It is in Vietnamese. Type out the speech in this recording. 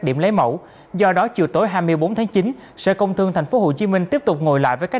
điểm lấy mẫu do đó chiều tối hai mươi bốn tháng chín sở công thương tp hcm tiếp tục ngồi lại với các